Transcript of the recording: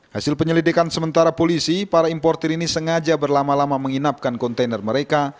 hasil penyelidikan sementara polisi para importer ini sengaja berlama lama menginapkan kontainer mereka